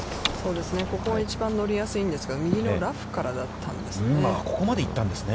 ここは一番乗りやすいですが右のラフからだったんですね。